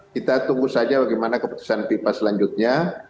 kita tunggu saja bagaimana keputusan fifa selanjutnya